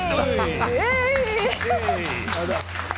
イエーイ！